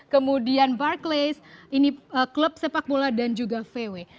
kemudian marklace ini klub sepak bola dan juga vw